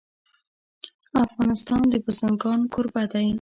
افغانستان د بزګان کوربه دی.